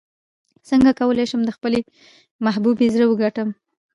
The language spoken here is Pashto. څنګه کولی شم د خپلې محبوبې زړه وګټم